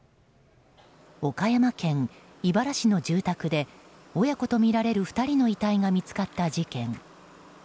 岡山県井原市の住宅で親子とみられる２人の遺体が見つかった事件。